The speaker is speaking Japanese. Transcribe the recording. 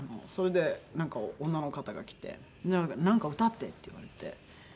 それで女の方が来て「なんか歌って」って言われて。